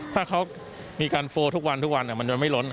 ถ้าเขามีการโฟลุทุกวันมันจะไม่ร้อน